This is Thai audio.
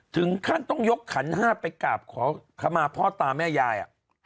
ถึงขั้นต้องยกขันห้าไปกราบขอขมาพ่อตาแม่ยาย